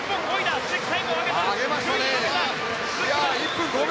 鈴木タイムを上げた。